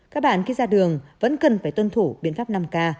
các bạn khi ra đường vẫn cần phải tuân thủ biện pháp năm k